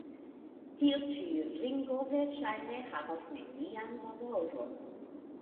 Tiu ĉi ringo verŝajne havas nenian valoron.